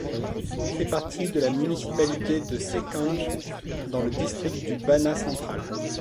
Il fait partie de la municipalité de Sečanj dans le district du Banat central.